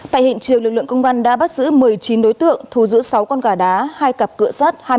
tại hình chiều lực lượng công an đã bắt giữ một mươi chín đối tượng thù giữ sáu con gà đá hai cặp cửa sắt